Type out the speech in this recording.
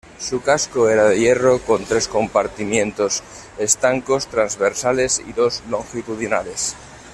Su casco era de hierro con tres compartimientos estancos transversales y dos longitudinales.